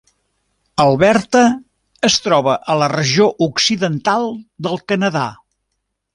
Alberta es troba a la regió occidental del Canadà.